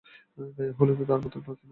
গায়ে-হলুদের আর মাত্র পাঁচ দিন আছে।